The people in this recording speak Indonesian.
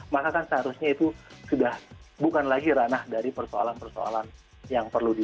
maka kan seharusnya itu sudah bukan lagi ranah dari persoalan persoalan yang perlu di